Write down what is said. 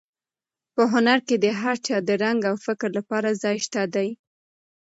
په هنر کې د هر چا د رنګ او فکر لپاره ځای شته دی.